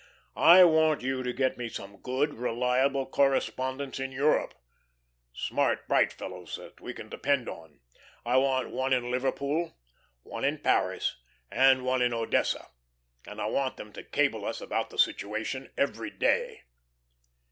I want you to get me some good, reliable correspondents in Europe; smart, bright fellows that we can depend on. I want one in Liverpool, one in Paris, and one in Odessa, and I want them to cable us about the situation every day."